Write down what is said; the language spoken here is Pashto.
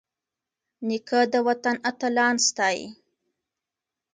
نیکه د وطن اتلان ستايي.